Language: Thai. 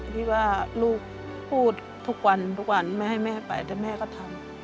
ที่ว่าลูกพูดทุกวันทุกวันไม่ให้แม่ไปแต่แม่ก็ทำ